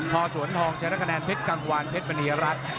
พอสวนทองชนะคะแนนเพชรกังวานเพชรมณีรัฐ